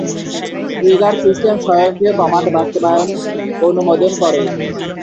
Trigger system স্বয়ংক্রিয় command বাস্তবায়ন অনুমোদন করে।